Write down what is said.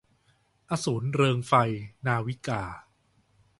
อสูรเริงไฟ - นาวิกา